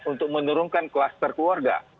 untuk menurunkan kluster keluarga